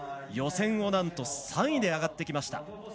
予選をなんと３位で上がってきました。